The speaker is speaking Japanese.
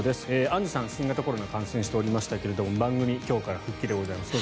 アンジュさん新型コロナ感染しておりましたが番組、今日から復帰でございます。